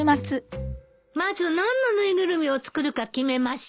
まず何の縫いぐるみを作るか決めましょう。